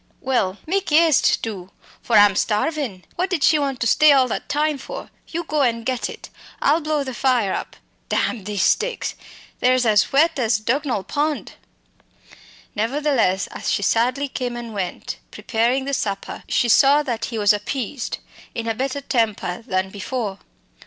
Well, mak' eëaste, do, for I'm starvin'. What did she want to stay all that time for? You go and get it. I'll blow the fire up damn these sticks! they're as wet as Dugnall pond." Nevertheless, as she sadly came and went, preparing the supper, she saw that he was appeased, in a better temper than before.